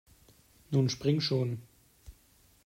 Nun spring schon!